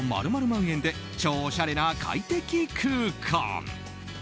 ○○万円で超おしゃれな快適空間！